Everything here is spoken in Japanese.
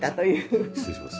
失礼します。